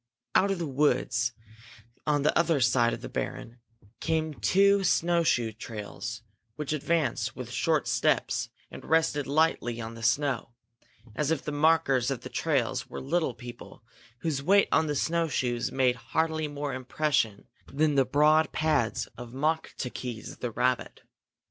Out from the woods on the other side of the barren came two snow shoe trails, which advanced with short steps and rested lightly on the snow, as if the makers of the trails were little people whose weight on the snow shoes made hardly more impression than the broad pads of Moktaques the rabbit.